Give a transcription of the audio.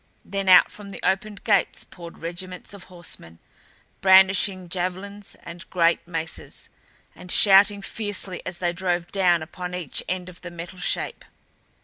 Then out from the opened gates poured regiments of horsemen, brandishing javelins and great maces, and shouting fiercely as they drove down upon each end of the Metal Shape.